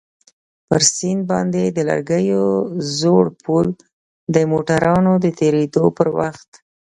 پر سيند باندى د لرګيو زوړ پول د موټرانو د تېرېدو پر وخت.